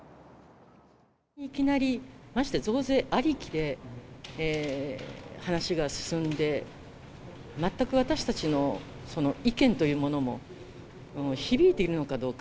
いきなり、ましてや増税ありきで話が進んで、全く私たちの意見というものも響いているのかどうか。